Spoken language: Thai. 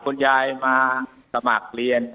คุณยายมาสมัครเรียน